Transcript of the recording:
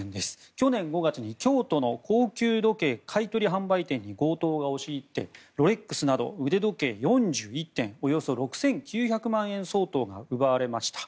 去年５月、京都の高級時計買い取り販売店に強盗が押し入ってロレックスなど腕時計４１点およそ６９００万円相当が奪われました。